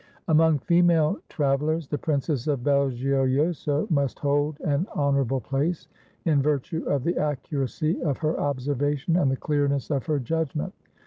'"Among female travellers the Princess of Belgiojoso must hold an honourable place, in virtue of the accuracy of her observation and the clearness of her judgment.